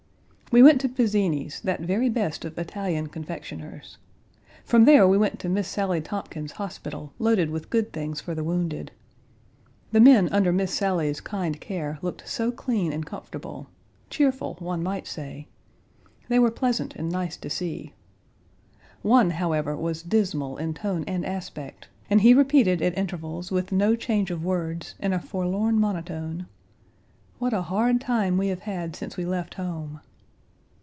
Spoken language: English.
We went to Pizzini's, that very best of Italian confectioners. From there we went to Miss Sally Tompkins's hospital, loaded with good things for the wounded. The Page 112 men under Miss Sally's kind care looked so clean and comfortable cheerful, one might say. They were pleasant and nice to see. One, however, was dismal in tone and aspect, and he repeated at intervals with no change of words, in a forlorn monotone: "What a hard time we have had since we left home."